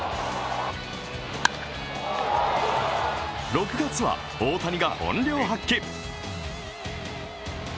６月は大谷が本領発揮。